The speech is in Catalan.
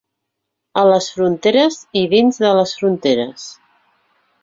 A les fronteres i dins de les fronteres.